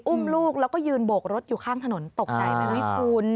อุ้มลูกแล้วก็ยืนโบกรถอยู่ข้างถนนตกใจไหมคุณ